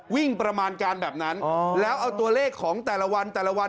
ประมาณการแบบนั้นแล้วเอาตัวเลขของแต่ละวันแต่ละวัน